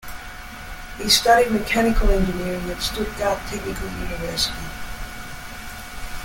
He studied mechanical engineering at Stuttgart Technical University.